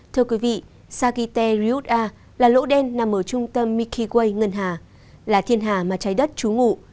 thưa quý vị sakite ryuda là lỗ đen nằm ở trung tâm mikiway ngân hà là thiên hà mà trái đất trú ngụ